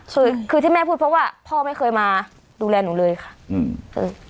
คือคือที่แม่พูดเพราะว่าพ่อไม่เคยมาดูแลหนูเลยค่ะอืมเออ